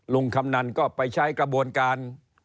คำนันก็ไปใช้กระบวนการ